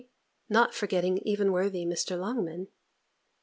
not forgetting even worthy Mr. Longman.